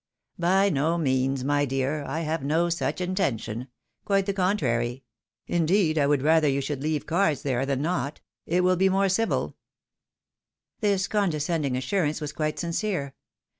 " By no means, my dear, — I have no such intention ; quite the contrary ; indeed, I would rather you should leave cards there than not ; it will be more civU." This condescending assurance was quite sincere.